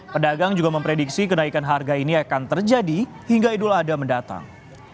pedagang juga memprediksi kenaikan harga ini akan terjadi hingga idul adha mendatang